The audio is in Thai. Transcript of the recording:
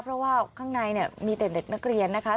เพราะว่าข้างในเนี่ยมีแต่เด็กนักเรียนนะคะ